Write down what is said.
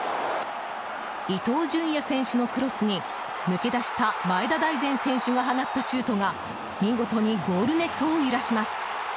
伊東純也選手のクロスに抜け出した前田大然選手が放ったシュートが見事にゴールネットを揺らします。